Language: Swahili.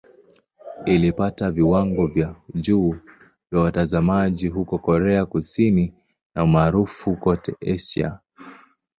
Ilipata viwango vya juu vya watazamaji huko Korea Kusini na umaarufu kote Asia.